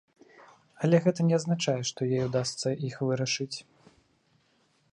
Але гэта не азначае, што ёй удасца іх вырашыць.